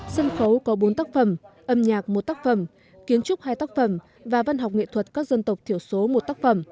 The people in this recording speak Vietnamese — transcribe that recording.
sân khấu có bốn tác phẩm âm nhạc một tác phẩm kiến trúc hai tác phẩm và văn học nghệ thuật các dân tộc thiểu số một tác phẩm